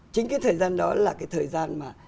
chính cái thời gian đó là cái thời gian mà